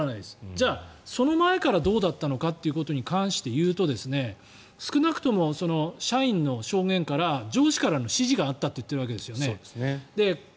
じゃあ、その前からどうだったのかということに関して言うと少なくとも社員の証言から上司からの指示があったと言っているわけですよね。